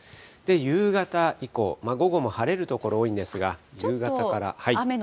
夕方以降、午後も晴れる所多いんですが、夕方から。